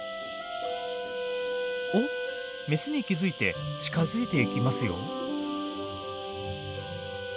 おっメスに気付いて近づいていきますよ。